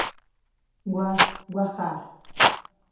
Gua, gua já.